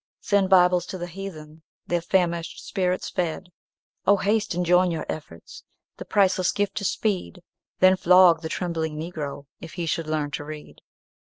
"Send Bibles to the heathen, Their famished spirits feed; Oh! haste, and join your efforts, The priceless gift to speed; Then flog the trembling Negro If he should learn to read."